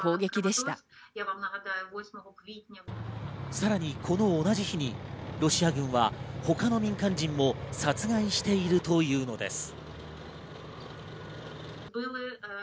さらにこの同じ日にロシア軍は他の民間人も殺害しているというのです。